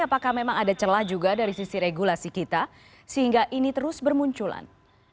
apakah memang ada celah juga dari sisi regulasi kita sehingga ini terus bermunculan